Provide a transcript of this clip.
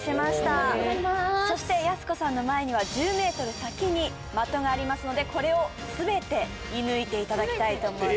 ありがとうございまーすそしてやす子さんの前には１０ｍ先に的がありますのでこれを全て射ぬいていただきたいと思います